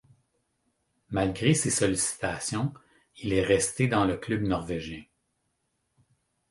Malgré ces sollicitations, il est resté dans le club norvégien.